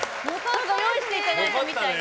ご用意していただいたみたいで。